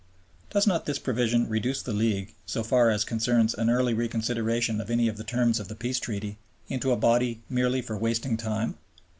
Does not this provision reduce the League, so far as concerns an early reconsideration of any of the terms of the Peace Treaty, into a body merely for wasting time?